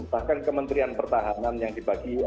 bahkan kementerian pertahanan yang dibagi